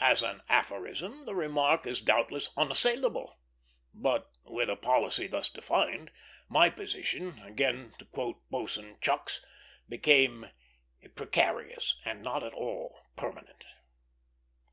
As an aphorism the remark is doubtless unassailable; but, with a policy thus defined, my position, again to quote Boatswain Chucks, became "precarious and not at all permanent."